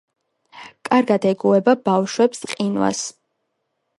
კარგად ეგუება ბავშვებს, ყინვას.